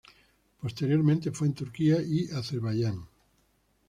Posteriormente fue en Turquía y Azerbaiyán.